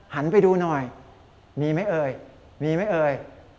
หันไปดูหน่อยมีไหมเอ่ยมีไหมเอ่ย